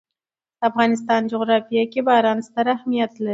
د افغانستان جغرافیه کې باران ستر اهمیت لري.